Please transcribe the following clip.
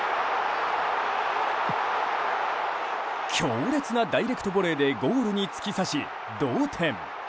強烈なダイレクトボレーでゴールに突き刺し、同点。